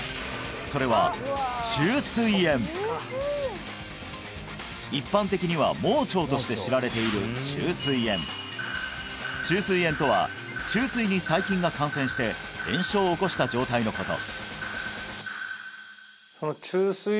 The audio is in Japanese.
それは虫垂炎一般的には盲腸として知られている虫垂炎虫垂炎とは虫垂に細菌が感染して炎症を起こした状態のこと